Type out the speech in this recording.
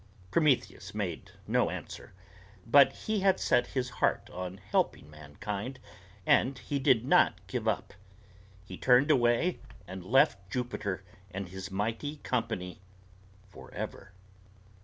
Prometheus made no answer; but he had set his heart on helping mankind, and he did not give up. He turned away, and left Jupiter and his mighty company forever.